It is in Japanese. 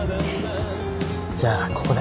じゃあここで。